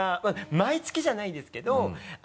毎月じゃないですけど。